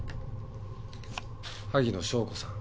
萩野翔子さん。